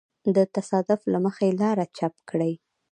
د تصادف له مخې لاره چپ کړي.